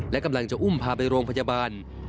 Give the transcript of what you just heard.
และกำลังจะอุ้มพาไปโรงพยาบาล